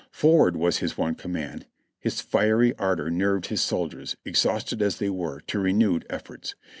"Forward!" was his one command. His fiery ardor nerved his soldiers, exhausted as they were, to renewed efforts.